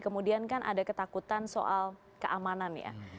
kemudian kan ada ketakutan soal keamanan ya